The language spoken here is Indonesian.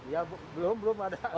ya belum belum ada